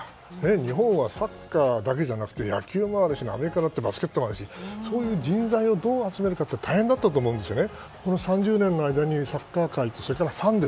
日本はサッカーだけじゃなくて野球もあるしアメリカだってバスケットがあるしそういう人材をどう集めるかって大変だったと思うんですよね。